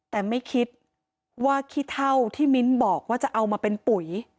แต่ไม่คิดว่าขี้เท่าที่มิ้นบอกว่าจะเอามาเป็นปุ๋ย